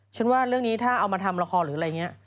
ว่าเรื่องนี้ถ้าเอามาทำละครหรืออะไรอย่างนี้